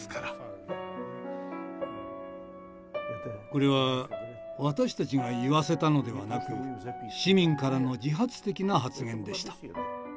これは私たちが言わせたのではなく市民からの自発的な発言でした。